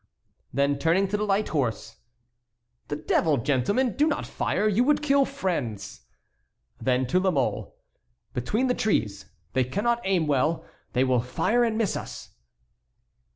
Then turning to the light horse: "The devil, gentlemen, do not fire; you would kill friends." Then to La Mole: "Between the trees they cannot aim well; they will fire and miss us."